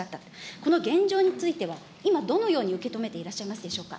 この現状については、今、どのように受け止めていらっしゃいますでしょうか。